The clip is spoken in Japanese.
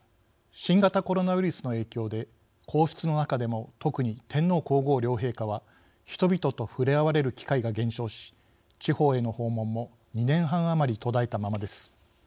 新型コロナウイルスの影響で皇室の中でも特に天皇皇后両陛下は人々と触れ合われる機会が減少し地方への訪問も２年半余り途絶えたままです。